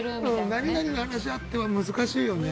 何々の話があっては難しいよね。